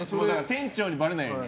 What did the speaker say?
店長にばれないように。